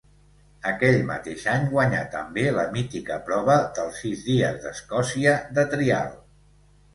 Aquell mateix any guanyà també la mítica prova dels Sis Dies d'Escòcia de Trial.